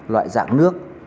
loại dạng nước